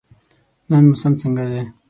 نن موسم څنګه دی؟